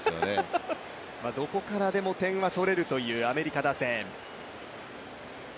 どこからでも点は取れるというアメリカ打線。